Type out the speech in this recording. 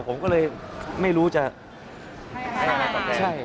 ผมก็เลยไม่รู้จะให้อะไรกับแดง